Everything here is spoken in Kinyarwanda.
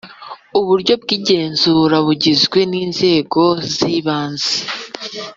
Uburyo bw igenzura bugizwe ninzego zibanze